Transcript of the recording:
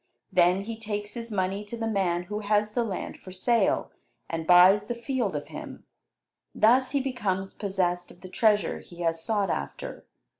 Then he takes his money to the man who has the land for sale, and buys the field of him. Thus he becomes possessed of the treasure he has sought after.